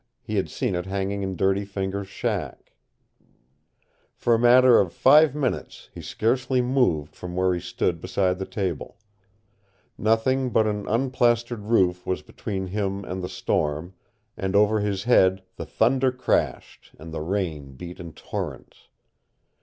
He had seen it hanging in Dirty Fingers' shack. For a matter of five minutes he scarcely moved from where he stood beside the table. Nothing but an unplastered roof was between him and the storm, and over his head the thunder crashed, and the rain beat in torrents.